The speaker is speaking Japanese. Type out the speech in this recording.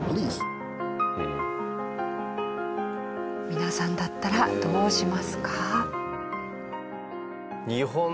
皆さんだったらどうしますか？